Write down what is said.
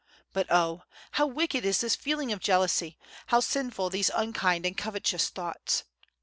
But oh! how wicked is this feeling of jealousy, how sinful these unkind and covetous thoughts!